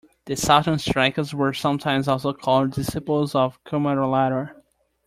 The Sautantrikas were sometimes also called "disciples of Kumaralata".